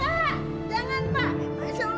pak pak jangan pak masya allah